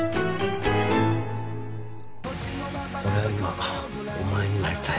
俺は今お前になりたい。